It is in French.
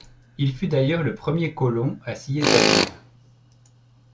Il fut d'ailleurs le premier colon à s'y établir.